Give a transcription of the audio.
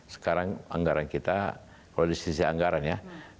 sekarang anggaran kita kalau di sisi anggaran ya